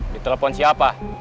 di telepon siapa